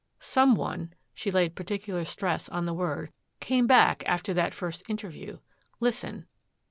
Some one," she laid particular stress on the word, "came back after that first interview. Listen."